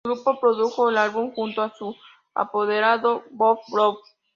El grupo produjo el álbum junto a su apoderado Bob Brown.